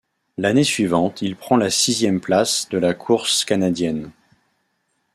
L'année suivante il prend la sixième place de la course canadienne.